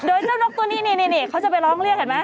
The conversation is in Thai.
โดยเจ้านกตัวนี้นี่เขาจะไปร้องเรียกเห็นไหม